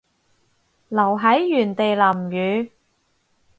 留喺原地淋雨